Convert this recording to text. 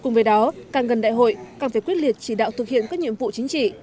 cùng với đó càng gần đại hội càng phải quyết liệt chỉ đạo thực hiện các nhiệm vụ chính trị